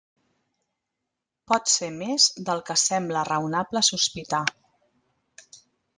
Pot ser més del que sembla raonable sospitar.